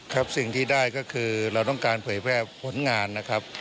สิ่งที่ได้ก็คือเราต้องการเผยแพร่ผลงานนะครับ